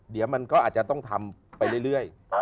เดี๋ยวมันก็อาจจะต้องทำไปเรื่อย